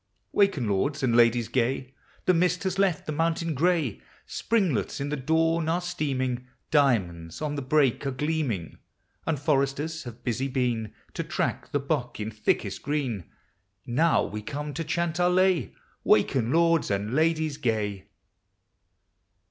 Waken, lords and ladies gay. The mist has left the mountain gray, Springlets in the dawn arc steaming, Diamonds on the brake arc gleaming, And foresters have busy been To track the buck in thickel green; Now we come to chant our lay, "Waken, lords and ladies gay."